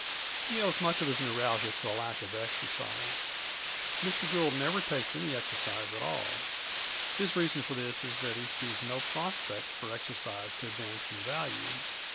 He owes much of his neuralgia to a lack of exercise. Mr. Gould never takes any exercise at all. His reason for this is that he sees no prospect for exercise to advance in value.